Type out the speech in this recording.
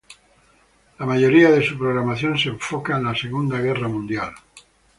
La mayoría de su programación se enfoca en la Segunda Guerra Mundial.